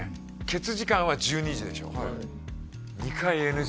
ケツ時間は１２時でしょ